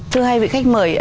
thưa hai vị khách mời